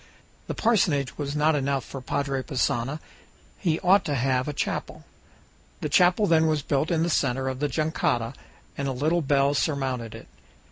The parsonage was not enough for Padre Passanha; he ought to have a chapel. The chapel then was built in the center of the jangada, and a little bell surmounted it.